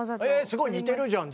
すごい似てるじゃん。